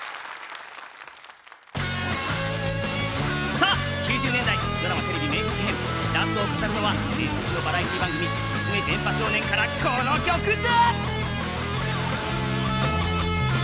さあ、９０年代ドラマ・テレビ名曲編ラストを飾るのは、伝説のバラエティー番組、「進め！電波少年」からこの曲だ！